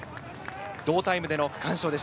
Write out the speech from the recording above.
同タイムでの区間賞でした。